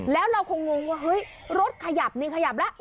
แล้วเราคงงว่าเฮ้ยรถขยับนี่ขยับแล้ว